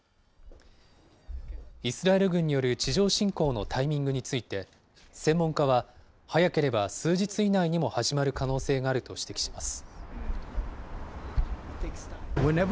イスラエル軍による地上侵攻のタイミングについて専門家は、早ければ数日以内にも始まる可能性があると指摘します。